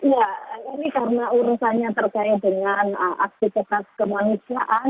ya ini karena urusannya terkait dengan aktivitas kemanusiaan